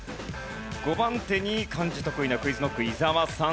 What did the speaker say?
５番手に漢字得意なクイズノック伊沢さん。